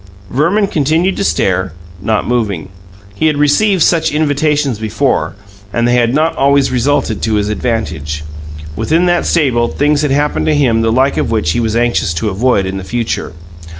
Verman continued to stare, not moving. He had received such invitations before, and they had not always resulted to his advantage. Within that stable things had happened to him the like of which he was anxious to avoid in the future.